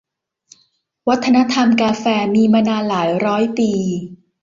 วัฒนธรรมกาแฟ มีมานานหลายร้อยปี